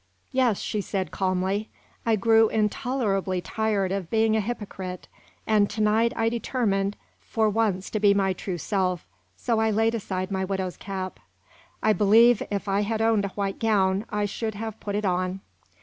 "Yes," she said, calmly. "I grew intolerably tired of being a hypocrite, and to night I determined for once to be my true self, so I laid aside my widow's cap. I believe, if I had owned a white gown, I should have put it on."